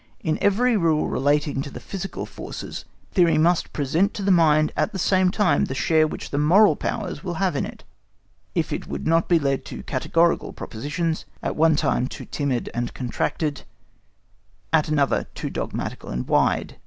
In every rule relating to the physical forces, theory must present to the mind at the same time the share which the moral powers will have in it, if it would not be led to categorical propositions, at one time too timid and contracted, at another too dogmatical and wide.